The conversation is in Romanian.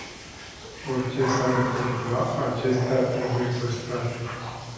Orice s-ar întâmpla, acestea trebuie păstrate.